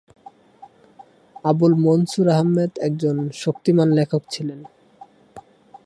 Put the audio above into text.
আবুল মনসুর আহমেদ একজন শক্তিমান লেখক ছিলেন।